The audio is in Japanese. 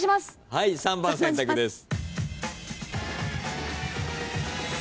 はい３番選択です。